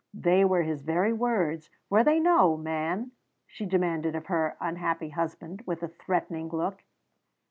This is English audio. They were his very words, were they no, man?" she demanded of her unhappy husband, with a threatening look.